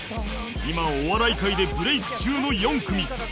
今お笑い界でブレイク中の４組